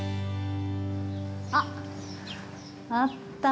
あっ、あった。